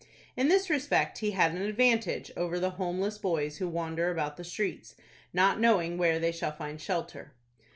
In this respect he had an advantage over the homeless boys who wander about the streets, not knowing where they shall find shelter.